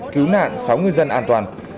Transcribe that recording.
cứu nạn sáu ngư dân an toàn